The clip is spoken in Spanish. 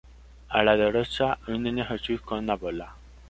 A la derecha un Niño Jesús con una bola.